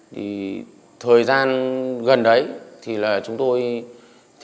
lên trên trang cá nhân của mình